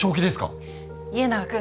家長君。